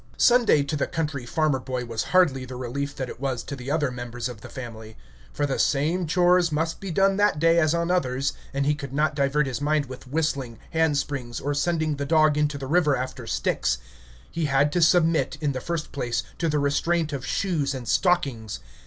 Sunday to the country farmer boy was hardly the relief that it was to the other members of the family; for the same chores must be done that day as on others, and he could not divert his mind with whistling, hand springs, or sending the dog into the river after sticks. He had to submit, in the first place, to the restraint of shoes and stockings.